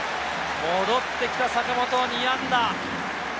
戻ってきた坂本、２安打。